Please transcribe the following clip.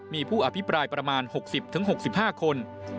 มีผู้อภิปรายประมาณ๖๐๖๕คน